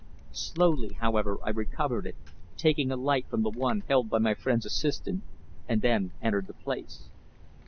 Slowly, however, I recovered it, taking a light from the one held by my friend's assistant, and then entered the place.